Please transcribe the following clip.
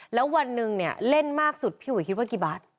แล้ววันหนึ่งเนี่ยเล่นมากสุดพี่อุ๋ยคิดว่ากี่บาท